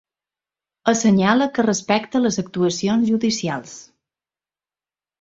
Assenyala que respecta les actuacions judicials.